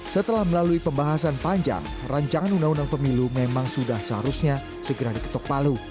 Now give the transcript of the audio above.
setelah melalui pembahasan panjang rancangan undang undang pemilu memang sudah seharusnya segera diketok palu